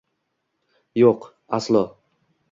-Yo’q! Aslo!